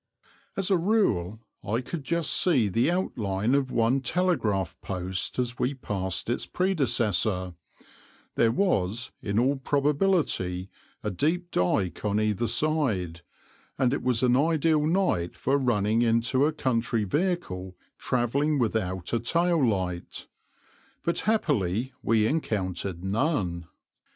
As a rule I could just see the outline of one telegraph post as we passed its predecessor; there was, in all probability, a deep dyke on either side, and it was an ideal night for running into a country vehicle travelling without a tail light; but happily we encountered none.